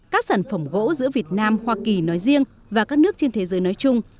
các sản phẩm gỗ giữa việt nam hoa kỳ nói riêng và các nước trên thế giới nói chung